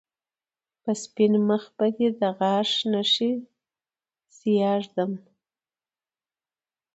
په سپين مخ به دې د غاښ نښې سياه ږدم